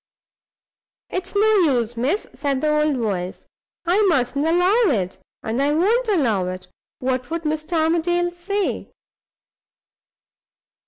"It's no use, miss," said the old voice. "I mustn't allow it, and I won't allow it. What would Mr. Armadale say?"